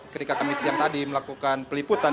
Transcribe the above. ketika kami siang tadi melakukan peliputan